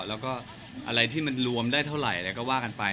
อะไรที่มันรวมได้เท่าไหร่เราก็ว่ากันไป